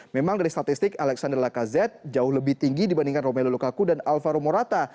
memang dari statistik alexander lacazette jauh lebih tinggi dibandingkan romelu lukaku dan alvaro morata